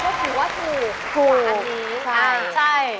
ก็คือว่าถูกถูกใช่